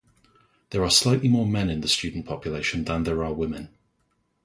There are slightly more men in the student population than there are women.